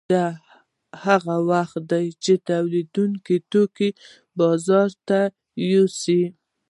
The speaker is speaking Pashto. دا هغه وخت دی چې تولیدونکي توکي بازار ته یوسي